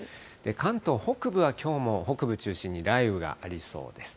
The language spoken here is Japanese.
関東北部は、きょうも北部中心に雷雨がありそうです。